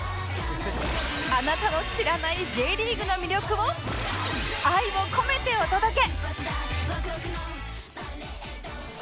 あなたの知らない Ｊ リーグの魅力を愛を込めてお届け！